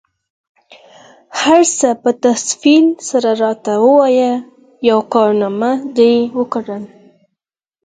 هر څه په تفصیل سره راته ووایه، یوه کارنامه دي وکړل؟